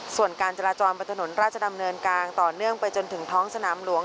ส่วนการจราจรบนถนนราชดำเนินกลางต่อเนื่องไปจนถึงท้องสนามหลวง